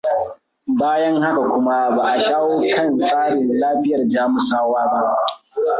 Bayan haka kuma ba a shawo kan tsarin lafiyar Jamusawa ba.